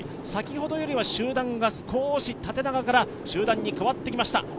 先ほどよりは集団が少し縦長から集団に変わってきました。